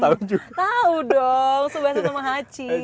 tau dong tsubasa sama hachi